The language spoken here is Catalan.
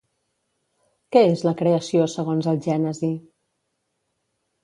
Què és la Creació segons el Gènesi?